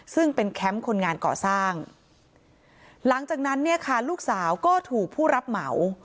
ซึ่งเป็นแคมป์คนงานก่อสร้างหลังจากนั้นเนี่ยค่ะลูกสาวก็ถูกผู้รับเหมา